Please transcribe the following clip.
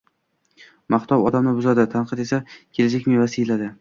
Maqtov odamni buzadi, tanqid esa kelajak mevasi, deyiladi.